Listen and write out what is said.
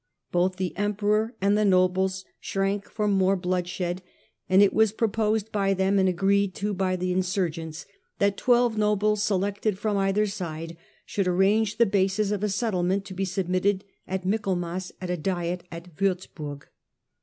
Both the emperor and the nobles shrank from more bloodshed, and it was proposed by them and agreed to by the insurgents that twelve nobles selected from either side should arrange the bases of a settlement to be submitted at Michaelmas to a diet at Wurzbui g.